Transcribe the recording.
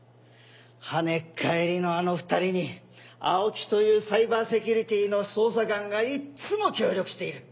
跳ねっ返りのあの２人に青木というサイバーセキュリティの捜査官がいつも協力している。